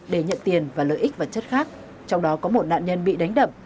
để nhận tiền và lợi ích và chất khác trong đó có một nạn nhân bị đánh đập